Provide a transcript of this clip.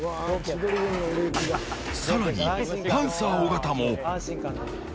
更に、パンサー尾形も。